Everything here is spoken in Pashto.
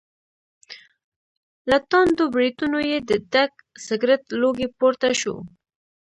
له تاندو برېتونو یې د ډک سګرټ لوګی پور ته شو.